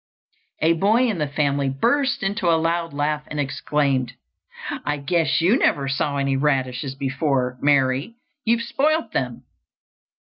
A boy in the family burst into a loud laugh and exclaimed, "I guess you never saw any radishes before, Mary; you've spoilt them."